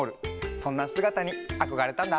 そんなすがたにあこがれたんだ。